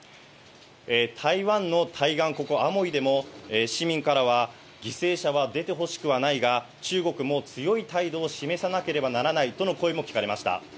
台湾の対岸、ここアモイでも市民からは犠牲者は出てほしくはないが、中国も強い態度を示さなければならないとの声も聞かれました。